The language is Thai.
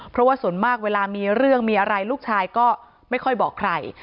เพราะว่าส่วนมากเวลามีเรื่องมีอะไรลูกชายก็ไม่ค่อยบอกใคร